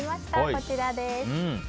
こちらです。